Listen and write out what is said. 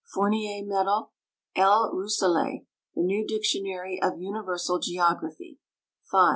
Fournier Medal, L. Romsselet, The New Dictionary of Universal Geography ; 5.